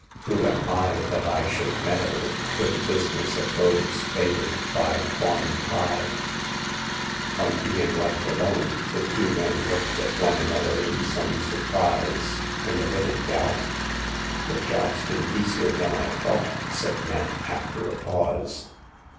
Who am I that I should meddle with the business of those favored by Kwan tai ?" On being left alone, the two men looked at one another in some surprise and a little doubt. The job's been easier than I thought,'' said Nat, after a pause.